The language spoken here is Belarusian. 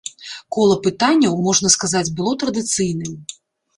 Кола пытанняў, можна сказаць, было традыцыйным.